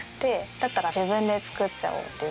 だったら自分で作っちゃおうっていう。